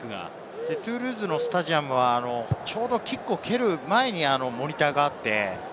トゥールーズのスタジアムはキックを蹴る前にモニターがあって。